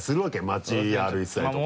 町歩いてたりとか。